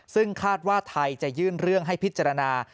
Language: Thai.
ซึ่งคาดว่าไทยจะยื่นเรื่องให้พิจารณา